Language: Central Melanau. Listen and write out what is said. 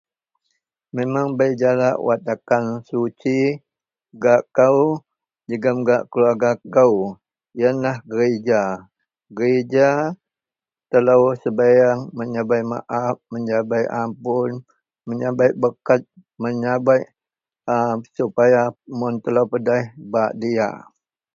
Memang bei jalak wak takan suci gak kou jegem gak keluwerga kou yenlah gerija. Gerija telou sebiyeang menyabek maap, menyabek ampun, menyabek bereket, menyabek a supaya mun telou pedeh bak diyak